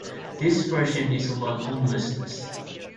This version is about homelessness.